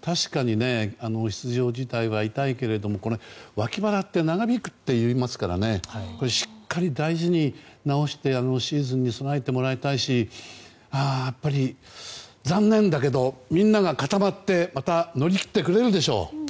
確かに、出場辞退は痛いけれども脇腹って長引くと言いますからしっかり大事に治してシーズンに備えてもらいたいしやっぱり残念だけどみんなが固まって乗り切ってくれるでしょう。